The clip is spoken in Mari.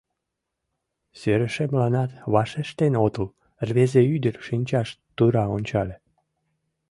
Серышемланат вашештен отыл, — рвезе ӱдыр шинчаш тура ончале.